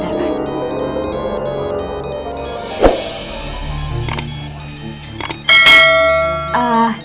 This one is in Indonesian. tidak tidak bisa